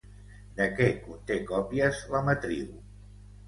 De què conté còpies la matriu?